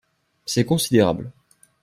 C’est considérable.